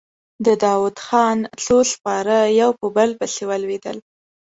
د داوودخان څو سپاره يو په بل پسې ولوېدل.